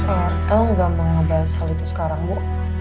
el gak mau ngebahas hal itu sekarang bu